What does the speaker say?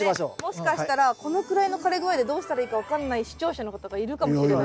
もしかしたらこのくらいの枯れ具合でどうしたらいいか分かんない視聴者の方がいるかもしれない。